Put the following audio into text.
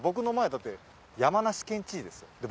の前だって山梨県知事ですよ。